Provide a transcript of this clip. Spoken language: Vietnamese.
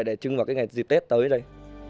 để chưng vào cái ngày dịp tết tới đây